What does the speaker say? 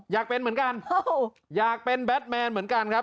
อยากเป็นเหมือนกันอยากเป็นแบทแมนเหมือนกันครับ